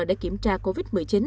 để kiểm tra covid một mươi chín